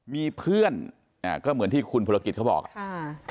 มีเพื่อนก็เหมือนที่คุณผู้ละกิจเขาบอกค่ะ